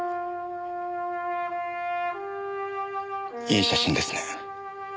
いい写真ですね。